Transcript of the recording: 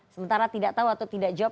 sementara tidak tahu atau tidak jawab